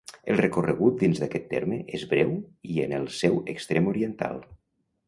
El recorregut dins d'aquest terme és breu i en el seu extrem oriental.